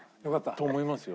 と思いますよ。